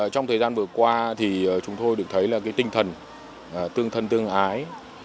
trong thời gian vừa qua thì chúng tôi được thấy là cái tinh thần tương thân tương ái